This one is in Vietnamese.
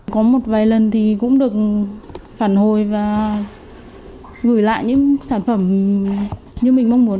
có một vài lần thì cũng được phản hồi và gửi lại những sản phẩm như mình mong muốn